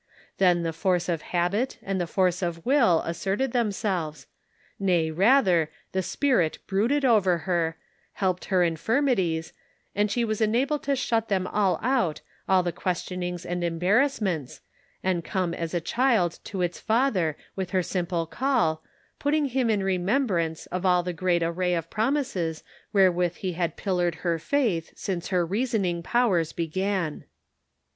Then the force of habit and the force of will asserted themselves — nay, rather the Spirit brooded over her, " helped her infirmi ties," and she was enabled to shut them all out, all the questionings and embarrassments, and come as a child to its father with her sim ple call, " putting him in remembrance " of all the great array of promises wherewith he had 194 The Pocket Measure. pillared her faith since her reasoning powers began.